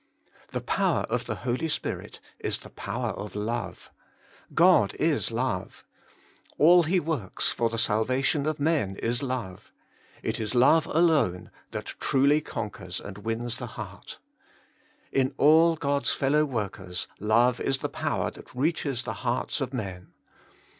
The power of the Holy Spirit is the power of love. God is love. All He works for the salvation of men is love ; it is love alone that truly conquers and wins the heart. In all God's fellow workers love is the power that reaches the hearts of men.